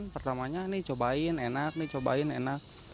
pertamanya ini cobain enak ini cobain enak